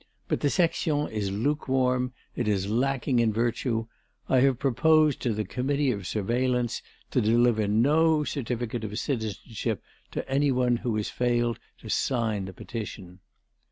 But the Section is lukewarm; it is lacking in virtue. I have proposed to the Committee of Surveillance to deliver no certificate of citizenship to any one who has failed to sign the petition."